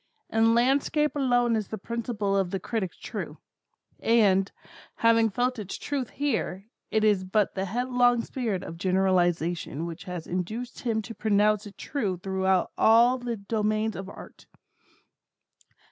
In landscape alone is the principle of the critic true; and, having felt its truth here, it is but the headlong spirit of generalization which has induced him to pronounce it true throughout all the domains of Art.